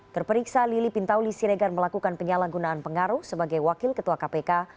terperiksa lili pintauli siregar melakukan penyalahgunaan pengaruh sebagai wakil ketua kpk